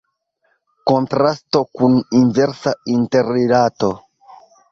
Kontrasto kun inversa interrilato.